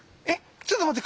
ちょっと待って。